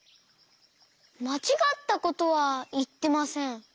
まちがったことはいってません。